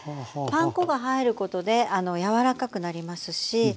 パン粉が入ることで柔らかくなりますし。